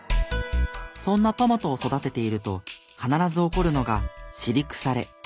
そんなトマトを育てていると必ず起こるのが尻腐れ。